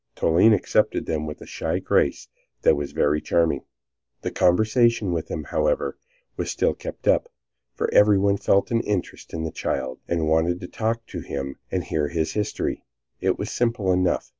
Toline accepted them with a shy grace that was very charming. The conversation with him, however, was still kept up, for everyone felt an interest in the child, and wanted to talk to him and hear his history. It was simple enough.